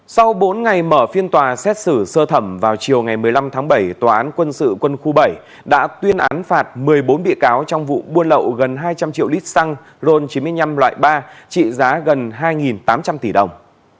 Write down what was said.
sau bốn ngày mở phiên tòa xét xử sơ thẩm vào chiều ngày một mươi năm tháng bảy tòa án quân sự quân khu bảy đã tuyên án phạt một mươi bốn bị cáo trong vụ buôn lậu gần hai trăm linh triệu lít xăng ron chín mươi năm loại ba trị giá gần hai tám trăm linh tỷ đồng